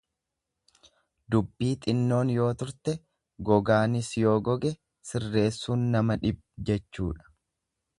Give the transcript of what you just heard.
Dubbii xinnoon yoo turte, gogaanis yoo goge sirreessuun nama dhib:: jechuudha.